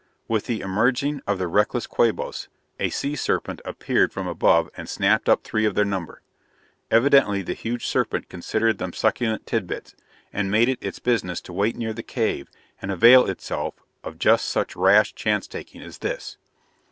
With the emerging of the reckless Quabos, a sea serpent appeared from above and snapped up three of their number. Evidently the huge serpent considered them succulent tidbits, and made it its business to wait near the cave and avail itself of just such rash chance taking as this.